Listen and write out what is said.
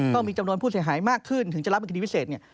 ต้องมีจำนวนผู้เสียหายมากขึ้นถึงจะรับเป็นคดีพิเศษเนี่ย